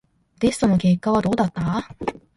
テストの結果はどうだった？